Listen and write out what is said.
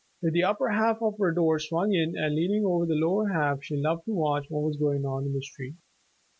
With the upper half of her door swung in, and leaning over the lower half, she loved to watch what was going on in the street.